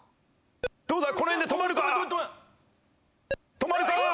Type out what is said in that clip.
止まるか？